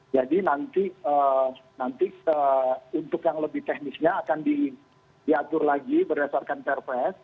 jadi nanti untuk yang lebih teknisnya akan diatur lagi berdasarkan perpes